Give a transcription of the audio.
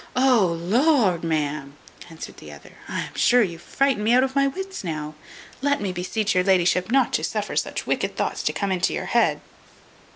"O lud! ma'am!" answered the other, "I am sure you frighten me out of my wits now. Let me beseech your la'ship not to suffer such wicked thoughts to come into your head.